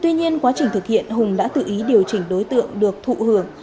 tuy nhiên quá trình thực hiện hùng đã tự ý điều chỉnh đối tượng được thụ hưởng